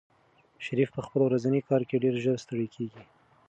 شریف په خپل ورځني کار کې ډېر ژر ستړی کېږي.